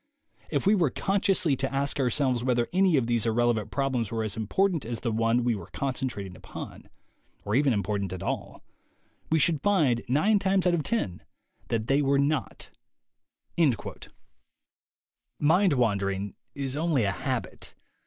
If we were consciously to ask ourselves whether any of these irrelevant problems were as important as the one we were concentrating upon, or even important at all, we should find, nine times out of ten, that they were not." Mind wandering is only a habit.